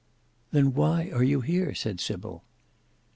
"Then why are you here?" said Sybil.